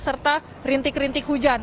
serta rintik rintik hujan